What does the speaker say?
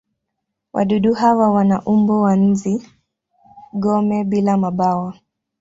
Wadudu hawa wana umbo wa nzi-gome bila mabawa.